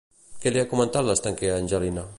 Què li ha comentat l'estanquer a Angelina?